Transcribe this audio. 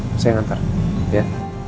saya yang nganter ya